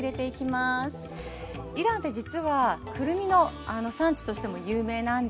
イランって実はくるみの産地としても有名なんです。